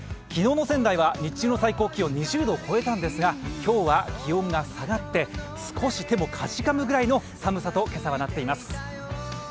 昨日の仙台は日中最高気温２０度を超えたんですが、今日は気温が下がって少し手もかじかむくらいの寒さと今朝はなっています。